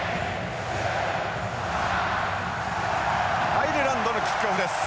アイルランドのキックオフです。